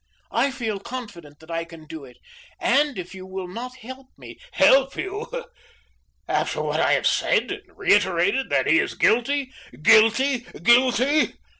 I feel confident that I can do it; and if you will not help me " "Help you! After what I have said and reiterated that he is guilty, GUILTY, GUILTY?"